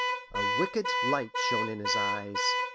A wicked light shone in his eyes.